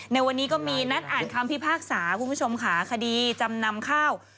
ในวันนี้ก็มีนัดอ่านคำพิพากษาคุณผู้ชมค่ะคดีจำนำข้าว